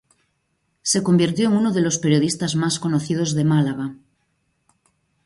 Se convirtió en uno de los periodistas más conocidos de Málaga.